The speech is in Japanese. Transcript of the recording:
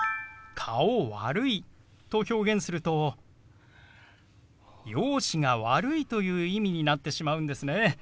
「顔悪い」と表現すると容姿が悪いという意味になってしまうんですね。